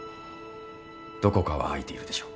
どこかは空いているでしょう。